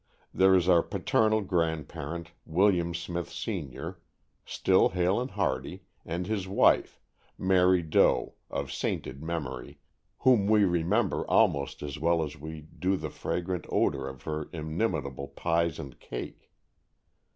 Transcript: There is our paternal grandparent, William Smith, Sr., still hale and hearty, and his wife, Mary Doe, of sainted memory, whom we remember almost as well as we do the fragrant odor of her inimitable pies and cake!